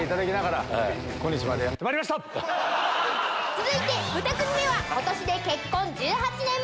続いて２組目は今年で結婚１８年目！